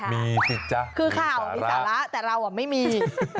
มีสิจ๊ะคือข่าวมีสาระแต่เราไม่มี